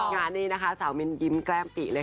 งานนี้นะคะสาวมินยิ้มแก้มปิเลยค่ะ